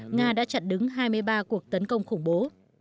nga đã chặn đứng hai mươi ba cuộc tấn công khủng bố